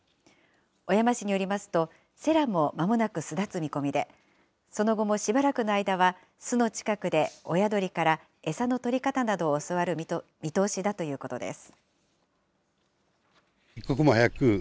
小山市によりますと、セラもまもなく巣立つ見込みで、その後もしばらくの間は、巣の近くで親鳥から餌の取り方などを教わる見通しだということです。